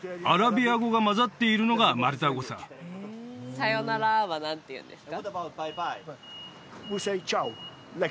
「さよなら」は何て言うんですか？